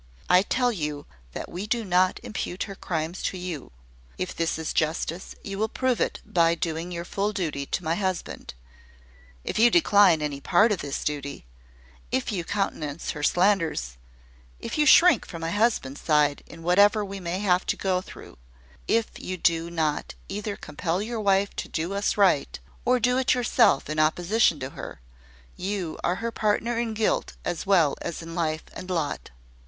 I tell you that we do not impute her crimes to you. If this is justice, you will prove it by doing your full duty to my husband. If you decline any part of this duty if you countenance her slanders if you shrink from my husband's side in whatever we may have to go through if you do not either compel your wife to do us right, or do it yourself in opposition to her you are her partner in guilt, as well as in life and lot."